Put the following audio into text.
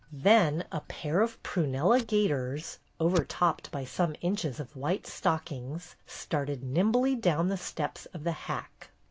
Then a pair of prunella gaiters, overtopped by some inches of white stockings, started nimbly down the steps of the hack.